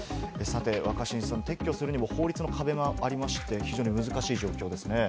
若新さん、撤去するにも法律の壁がありまして、非常に難しい状況ですね。